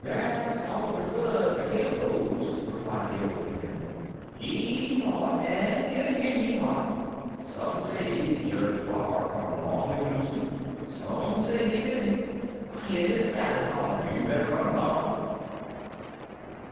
"Dat's all de fur de tale goes," replied the old man. "He mout, an den agin he moutent. Some say Judge B'ar come 'long en loosed 'im some say he didn't. I hear Miss Sally callin'. You better run 'long."